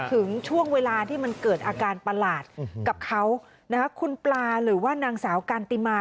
ถึงช่วงเวลาที่มันเกิดอาการประหลาดกับเขานะคะคุณปลาหรือว่านางสาวกันติมา